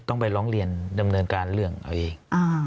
ต้องไปร้องเรียนดำเนินการเรื่องเอาเอง